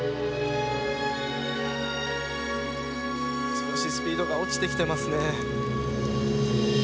少しスピードが落ちてきてますね。